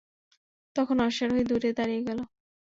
তখন অশ্বারোহী দূরে দাঁড়িয়ে গেল।